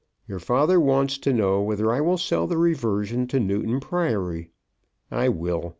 Your father wants to know whether I will sell the reversion to Newton Priory. I will.